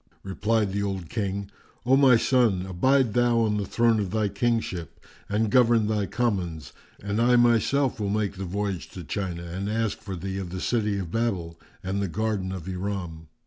Replied the old King, "O my son, abide thou on the throne of thy kingship and govern thy commons, and I myself will make the voyage to China and ask for thee of the city of Babel and the garden of Iram."